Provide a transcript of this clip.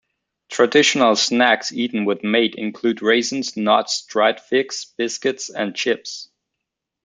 Traditional snacks eaten with mate include raisins, nuts, dried figs, biscuits, and chips.